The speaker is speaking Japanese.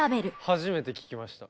初めて聞きました。